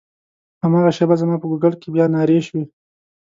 هماغه شېبه زما په ګوګل کې بیا نارې شوې.